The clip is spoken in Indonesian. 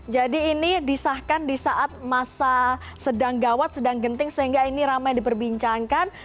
jadi ini disahkan di saat masa sedang gawat sedang genting sehingga ini ramai diperbincangkan